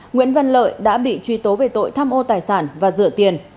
nguyễn văn lợi đã bị truy tố về tội tham ô tài sản và rửa tiền